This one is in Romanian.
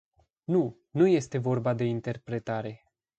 Nu, nu este vorba de interpretare.